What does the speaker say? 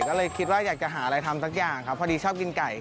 ก็เลยคิดว่าอยากจะหาอะไรทำสักอย่างครับพอดีชอบกินไก่